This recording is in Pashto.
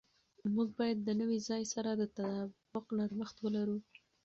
موږ باید د نوي ځای سره د تطابق نرمښت ولرو.